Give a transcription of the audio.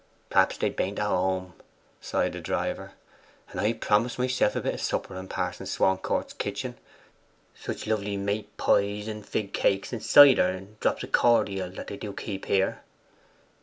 'Perhaps they beant at home,' sighed the driver. 'And I promised myself a bit of supper in Pa'son Swancourt's kitchen. Sich lovely mate pize and figged keakes, and cider, and drops o' cordial that they do keep here!